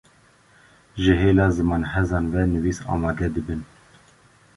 ji hêla zimanhezan ve nivîs amade dibin